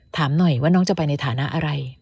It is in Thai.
ถามหน่อยว่าน้องจะไปในฐานะอะไร